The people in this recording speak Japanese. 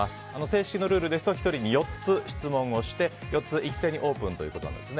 正式のルールですと、１人に４つ質問をして、４つ一斉にオープンということなんです。